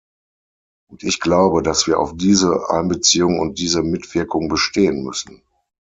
Und ich glaube, dass wir auf diese Einbeziehung und diese Mitwirkung bestehen müssen.